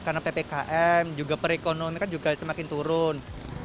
karena ppkm juga perekonomian kan juga semakin turun